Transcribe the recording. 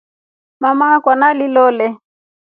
Mama akwa nalilole.